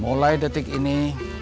mulai detik ini